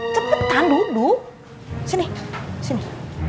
sebentar duduk sini sini